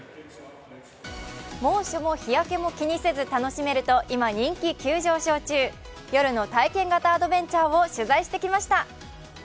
猛暑も日焼けも気にせず楽しめると今、人気急上昇中夜の体験型アドベンチャーを取材してきました。